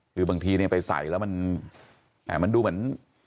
คือบางทีเนี่ยไปใส่แล้วมันดูเหมือน